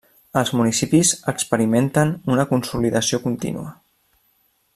Els municipis experimenten una consolidació contínua.